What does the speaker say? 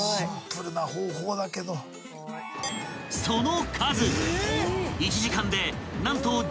［その数］